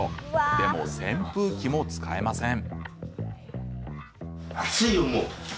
でも扇風機も使えません。